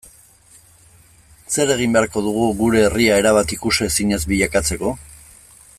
Zer egin beharko dugu gure herria erabat ikusezin ez bilakatzeko?